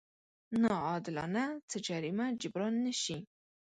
ناعادلانه څه جريمه جبران نه شي.